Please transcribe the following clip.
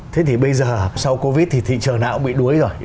thế thì bây giờ sau covid thì thị trường nào cũng bị đuối rồi